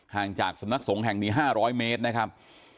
จากสำนักสงฆ์แห่งนี้๕๐๐เมตรนะครับ